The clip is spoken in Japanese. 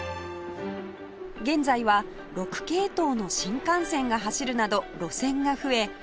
現在は６系統の新幹線が走るなど路線が増え